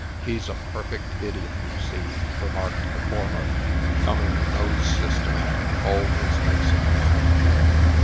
"He's a perfect idiot, you see," remarked the former. "Coming the nose system at him always makes him mad."